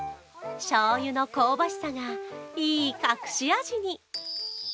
しょうゆの香ばしさがいい隠し味に。